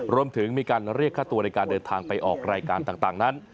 รวมถึงมีการเรียกค่าตัวในการเดินทางไปออกรายการต่างนั้น